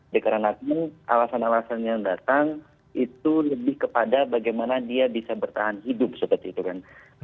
dikarenakan alasan alasan yang datang itu lebih kepada bagaimana dia bisa bertahan hidup seperti itu kan